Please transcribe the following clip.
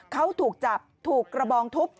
เขาถูกจับถูกกระบองทุบ